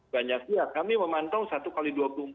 banyak siap kami memantau satu x dua puluh empat